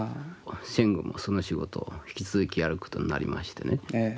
戦後もその仕事を引き続きやることになりましてね。